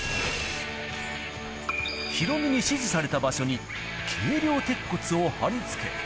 ヒロミに指示された場所に軽量鉄骨を貼り付け。